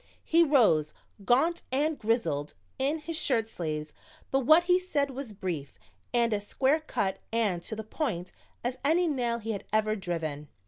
He rose, gaunt and grizzled in his shirt sleeves, but what he said was brief and as square cut and to the point as any nail he had ever driven.